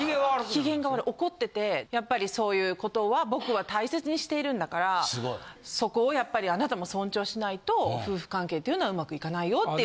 機嫌が悪い怒っててやっぱりそういう事は僕は大切にしているんだからそこをやっぱりあなたも尊重しないと夫婦関係っていうのは上手くいかないよって。